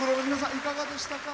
いかがでしたか？